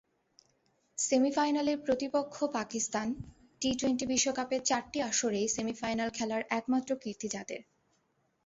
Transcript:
সেমিফাইনালে প্রতিপক্ষ পাকিস্তান, টি-টোয়েন্টি বিশ্বকাপের চারটি আসরেই সেমিফাইনাল খেলার একমাত্র কীর্তি যাদের।